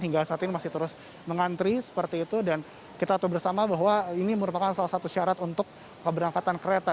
hingga saat ini masih terus mengantri seperti itu dan kita tahu bersama bahwa ini merupakan salah satu syarat untuk keberangkatan kereta